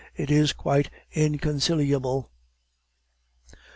It is quite inconciliable!"